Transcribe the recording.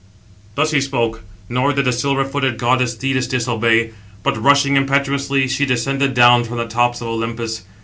Thus he spoke; nor did the silver footed goddess Thetis disobey; but, rushing impetuously, she descended down from the tops of Olympus.